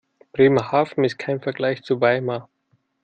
Bremerhaven ist kein Vergleich zu Weimar